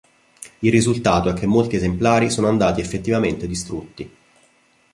Il risultato è che molti esemplari sono andati effettivamente distrutti.